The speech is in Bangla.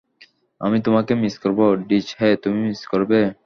আমি তোমাকে মিস করব, ডিজ হ্যা, তুমি মিস করবে।